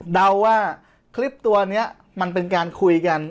เดาว่าคลิปตัวนี้มันเป็นการคุยกัน